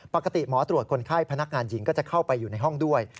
ปกติหมอตรวจคนไข้พนักงานหญิงก็จะเข้าไปอยู่ในห้องด้วย